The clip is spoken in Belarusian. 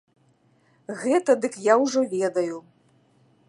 Гэта дык я ўжо ведаю.